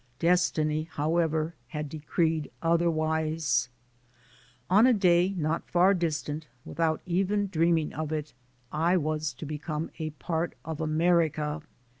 Destiny, however, had decreed otherwise. On a day not far distant, without even dreaming of it, I was to become a part of America.